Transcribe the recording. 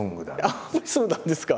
そうなんですか？